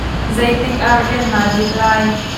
Zeitik ah rian naa dinh lai?